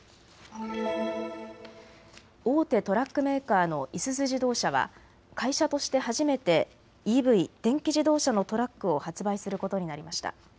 大手トラックメーカーのいすゞ自動車は会社として初めてＥＶ・電気自動車のトラックを発売することになりました。